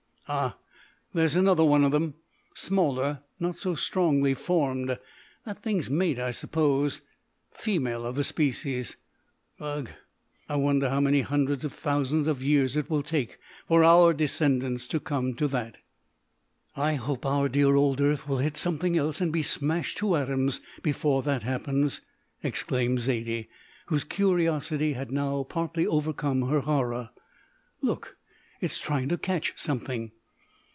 "Ah! there's another of them, smaller, not so strongly formed. That thing's mate, I suppose female of the species. Ugh! I wonder how many hundred of thousands of years it will take for our descendants to come to that." "I hope our dear old earth will hit something else and be smashed to atoms before that happens!" exclaimed Zaidie, whose curiosity had now partly overcome her horror. "Look, it's trying to catch something!"